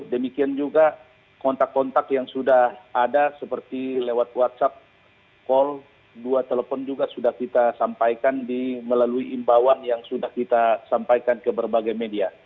demikian juga kontak kontak yang sudah ada seperti lewat whatsapp call dua telepon juga sudah kita sampaikan melalui imbauan yang sudah kita sampaikan ke berbagai media